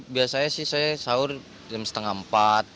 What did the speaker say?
biasanya sih saya sahur jam setengah empat